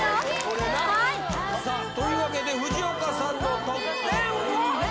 これなはいさあというわけで藤岡さんの得点は？